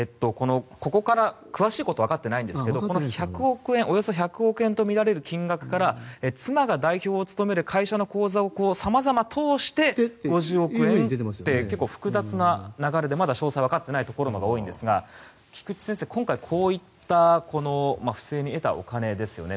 詳しいことはわかっていないんですが１００億円とみられる金額から妻が代表を務める会社の口座を様々、通して、５０億円と結構複雑な流れでまだ詳細がわかっていないところも多いんですが菊地先生、今回こういった不正に得たお金ですよね。